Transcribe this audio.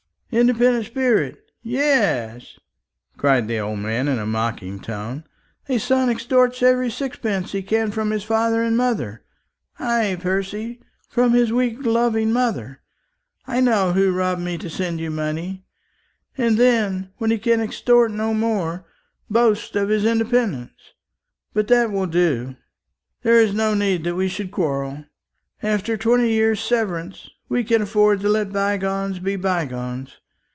"Independent spirit! Yes!" cried the old man in a mocking tone; "a son extorts every sixpence he can from his father and mother ay, Percy, from his weak loving mother; I know who robbed me to send you money and then, when he can extort no more, boasts of his independence. But that will do. There is no need that we should quarrel. After twenty years' severance, we can afford to let bygones be bygones.